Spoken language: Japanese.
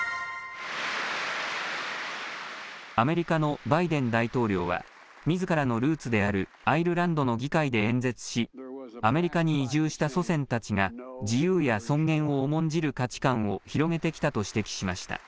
アメリカのバイデン大統領はみずからのルーツであるアイルランドの議会で演説しアメリカに移住した祖先たちが自由や尊厳を重んじる価値観を広げてきたと指摘しました。